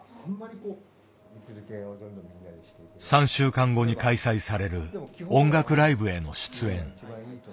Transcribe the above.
３週間後に開催される音楽ライブへの出演。